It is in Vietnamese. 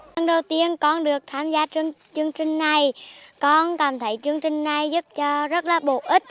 lần đầu tiên con được tham gia chương trình này con cảm thấy chương trình này giúp cho rất là bổ ích